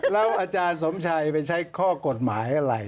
แล้วอาจารย์สมชัยไปใช้ข้อกฎหมายอะไร